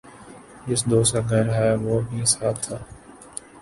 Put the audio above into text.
جس دوست کا گھر ہےوہ بھی ساتھ تھا ۔